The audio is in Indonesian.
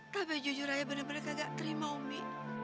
tapi jujur ayah benar benar enggak terima umi